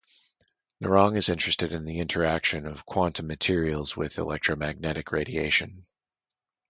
Narang is interested in the interaction of quantum materials with electromagnetic radiation.